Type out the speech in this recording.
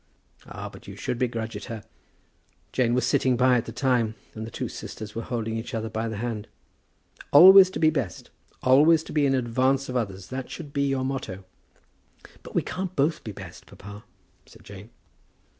"Ah, but you should begrudge it her!" Jane was sitting by at the time, and the two sisters were holding each other by the hand. "Always to be best; always to be in advance of others. That should be your motto." "But we can't both be best, papa," said Jane.